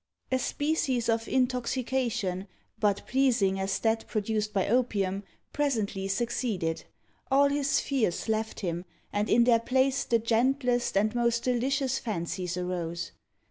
A species of intoxication, but pleasing as that produced by opium, presently succeeded. All his fears left him, and in their place the gentlest and most delicious fancies arose.